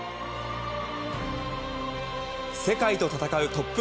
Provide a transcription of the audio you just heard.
世界と戦うトップ